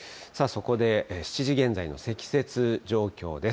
さあ、そこで７時現在の積雪状況